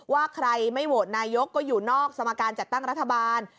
ว่าใครไม่โหวตนายกก็อยู่นอกสมการจัดตั้งรัฐบาล